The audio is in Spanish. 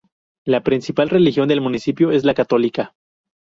La principal religión del municipio es la católica.